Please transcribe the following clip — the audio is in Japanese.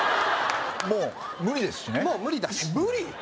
もう無理ですしねもう無理だし無理？